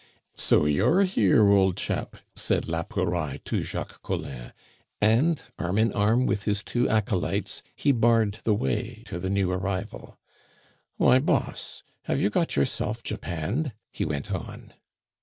"So you're here, old chap?" said la Pouraille to Jacques Collin. And, arm in arm with his two acolytes, he barred the way to the new arrival. "Why, Boss, have you got yourself japanned?" he went on.